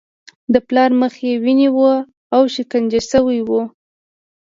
د پلار مخ یې وینې و او شکنجه شوی و